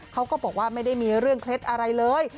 เขาก็บอกว่าไม่ได้มีเรื่องเคล็ดอะไรเลย